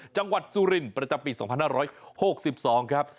จังหวัดสุรินทร์ประจำปี๒๕๖๒ครับ